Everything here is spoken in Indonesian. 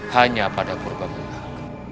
hanya pada purba menak